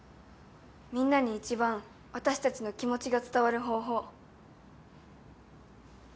みんなに一番私たちの気持ちが伝わる方法。